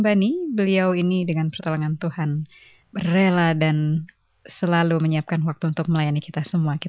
bunga itu dialah tuhan yesus yang kasih ke anak